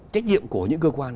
trách nhiệm của những cơ quan